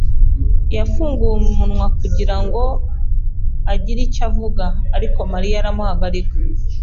yafunguye umunwa kugira ngo agire icyo avuga, ariko Mariya aramuhagarika.